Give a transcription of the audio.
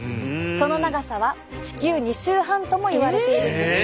その長さは地球２周半ともいわれているんです。